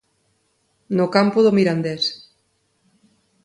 No campo do Mirandés.